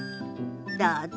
どうぞ。